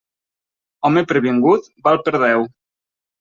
Home previngut val per deu.